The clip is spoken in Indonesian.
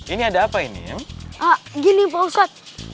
ini ada apa ini gini bau set